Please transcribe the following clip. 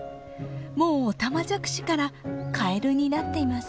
もうオタマジャクシからカエルになっています。